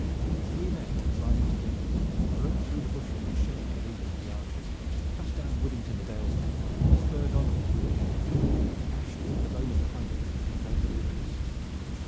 Three men riding together broke through the bushes which sheltered the leaders of the archers, cut down Widdington the Dalesman, spurred onward through the hedge, dashed over the bowmen behind it, and made for the Prince.